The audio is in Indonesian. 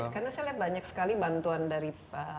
karena saya lihat banyak sekali bantuan dari pen ini kan banyak sekali